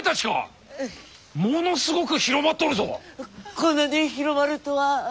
こんなに広まるとは。